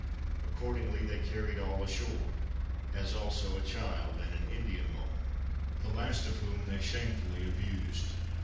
Accordingly they carried all ashore, as also a child and an Indian woman; the last of whom they shamefully abused.